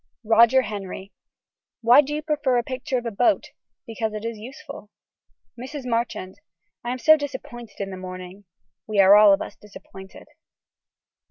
(Roger Henry.) Why do you prefer a picture of a boat. Because it is useful. (Mrs. Marchand.) I am so disappointed in the morning. We are all of us disappointed.